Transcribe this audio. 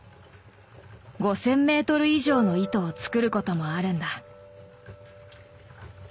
５，０００メートル以上の糸を作ることもあるんだ。